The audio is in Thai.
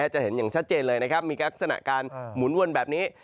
จะเห็นอย่างชัดเจนเลยนะครับมีลักษณะการหมุนวนแบบนี้